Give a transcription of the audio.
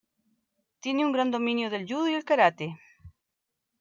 Tiene un gran dominio del judo y el karate.